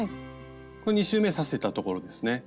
これ２周め刺せたところですね。